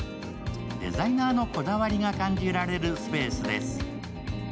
デザイナーのこだわりが感じられるスペースです。